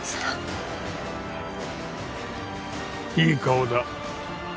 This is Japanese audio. いい顔だ。